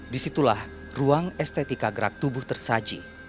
disitulah ruang estetika gerak tubuh tersaji